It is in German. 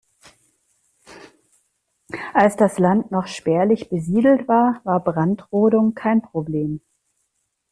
Als das Land noch spärlich besiedelt war, war Brandrodung kein Problem.